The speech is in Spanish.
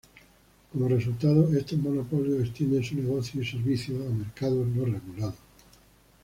Como resultado, estos monopolios extienden su negocio y servicio a mercados no regulados.